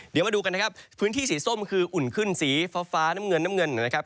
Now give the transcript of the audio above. เดี๋ยวมาดูกันนะครับพื้นที่สีส้มคืออุ่นขึ้นสีฟ้าน้ำเงินน้ำเงินนะครับ